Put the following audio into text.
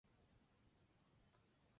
海南鱼藤为豆科鱼藤属下的一个种。